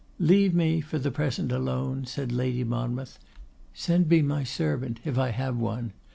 'Leave me for the present alone,' said Lady Monmouth. 'Send me my servant, if I have one.